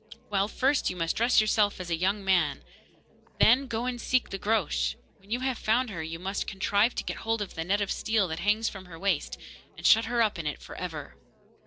'Well, first you must dress yourself as a young man, and then go and seek the Groac'h. When you have found her you must contrive to get hold of the net of steel that hangs from her waist, and shut her up in it for ever.